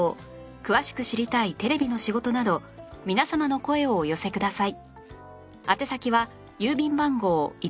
詳しく知りたいテレビの仕事など皆様の声をお寄せください